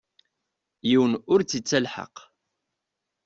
Yiwen ur tt-ittelḥaq.